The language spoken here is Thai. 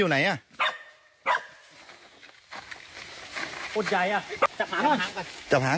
รู้รู้รู้รู้